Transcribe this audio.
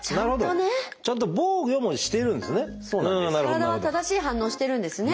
体は正しい反応をしてるんですね。